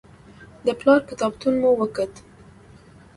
د پلار کتابتون مو وکت.